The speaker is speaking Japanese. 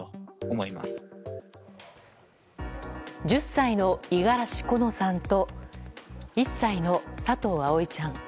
１０歳の五十嵐好乃さんと１歳の佐藤葵ちゃん。